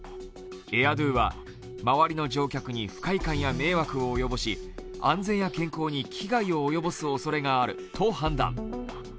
ＡＩＲＤＯは周りの乗客に不快感や迷惑を及ぼし安全や健康に危害を及ぼすおそれがあると判断。